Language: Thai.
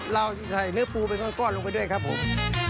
เราจะใส่เนื้อปูเป็นก้อนลงไปด้วยครับผม